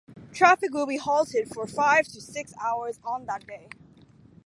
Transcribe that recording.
Traffic will be halted for five to six hours on that day.